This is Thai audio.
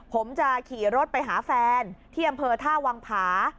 ผมจะขี่รถไปหาแฟนที่อำเภอท่าวังผา